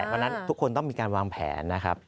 เพราะฉะนั้นทุกคนต้องมีการวางแผนนะครับ